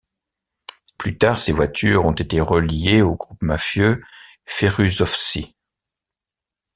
Plus tard, ces voitures ont été reliées au groupe mafieux Ferusovci.